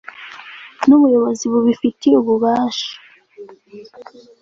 n ubuyobozi bubifitiye ububasha